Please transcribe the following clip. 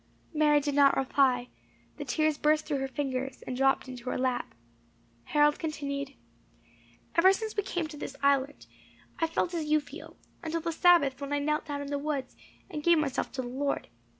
Mary did not reply; the tears burst through her fingers, and dropped into her lap. Harold continued, "Ever since we came to the island I felt as you feel, until the Sabbath when I knelt down in the woods, and gave myself to the Lord.